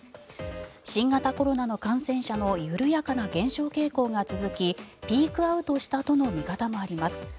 新型コロナの感染者の緩やかな減少傾向が続きピークアウトしたとの見方もあります。